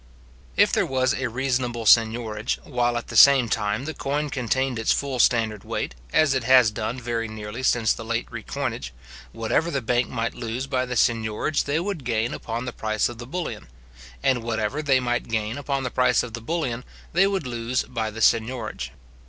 If there was a reasonable seignorage, while at the same time the coin contained its full standard weight, as it has done very nearly since the late recoinage, whatever the bank might lose by the seignorage, they would gain upon the price of the bullion; and whatever they might gain upon the price of the bullion, they would lose by the seignorage.